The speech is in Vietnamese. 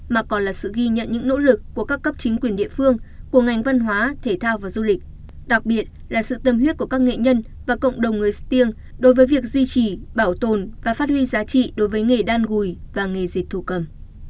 mà còn là sự ghi nhận những nỗ lực của các cấp chính quyền địa phương của ngành văn hóa thể thao và du lịch đặc biệt là sự tâm huyết của các nghệ nhân và cộng đồng người stiêng đối với việc duy trì bảo tồn và phát huy giá trị đối với nghề đan gùi và nghề dệt thổ cầm